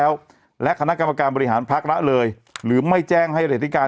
แล้วและคณะกรรมการบริหารพักละเลยหรือไม่แจ้งให้เลขที่การ